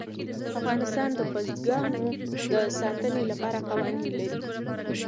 افغانستان د بزګانو د ساتنې لپاره قوانین لري.